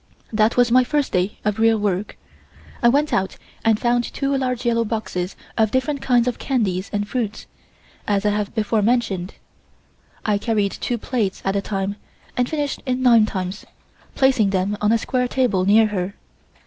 That was my first day of real work. I went out and found two large yellow boxes of different kinds of candies and fruits, as I have before mentioned. I carried two plates at a time, and finished in nine times, placing them on a square table near her.